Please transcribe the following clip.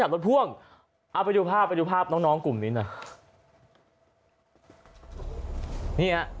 รถพ่วงอัพหรือภาพไปดูภาพน้องกลุ่มนี้ไหน